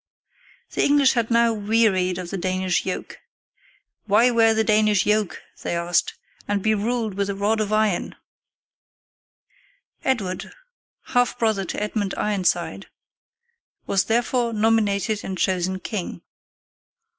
The English had now wearied of the Danish yoke. "Why wear the Danish yoke," they asked, "and be ruled with a rod of iron?" Edward, half brother of Edmund Ironside, was therefore nominated and chosen king.